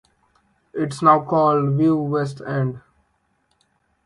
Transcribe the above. It is now called Vue West End.